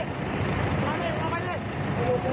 กลับมาดูดิ